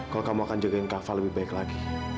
kalau kamu akan jagain kava lebih baik lagi